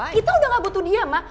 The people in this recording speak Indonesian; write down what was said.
kita udah gak butuh dia mak